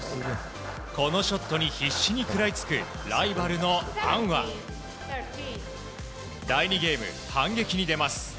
このショットに必死に食らいつくライバルのアンは第２ゲーム、反撃に出ます。